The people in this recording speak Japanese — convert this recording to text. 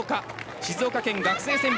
静岡県学生選抜。